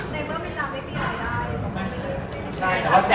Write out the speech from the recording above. ในเมื่อไม่ได้ไปที่หายได้